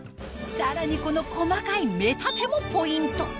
さらにこの細かい目立てもポイント